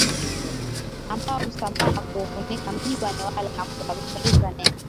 ambao husambaa na kuufunika Mji wa Newala na kusababisha giza nene